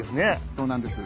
そうなんです。